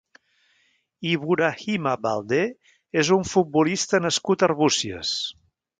Ibourahima Baldé és un futbolista nascut a Arbúcies.